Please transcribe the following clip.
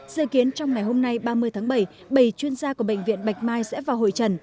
dự kiến trong ngày hôm nay ba mươi tháng bảy bảy chuyên gia của bệnh viện bạch mai sẽ vào hội trần